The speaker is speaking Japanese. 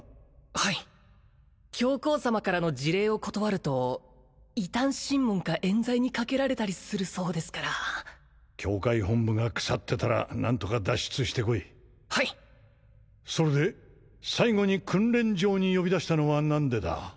はい教皇様からの辞令を断ると異端審問かえん罪にかけられたりするそうですから教会本部が腐ってたら何とか脱出してこいはいそれで最後に訓練場に呼び出したのは何でだ？